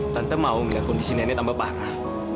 tante mau melihat kondisi nenek tambah parah